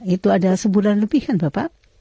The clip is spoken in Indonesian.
itu ada sebulan lebih kan bapak